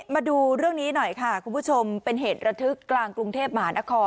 มาดูเรื่องนี้หน่อยค่ะคุณผู้ชมเป็นเหตุระทึกกลางกรุงเทพมหานคร